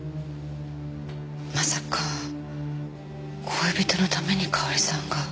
まさか恋人のためにかおりさんが。